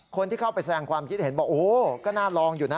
คนที่เข้าไปแสดงความคิดเห็นบอกโอ้ก็น่าลองอยู่นะ